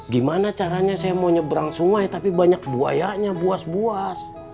gimana caranya saya mau nyeberang sungai tapi banyak buayanya buas buas